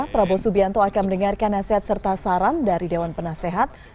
prabowo subianto akan mendengarkan nasihat serta saran dari dewan penasehat